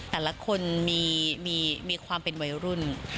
แต่ละคนมีความเป็นวัยรุ่น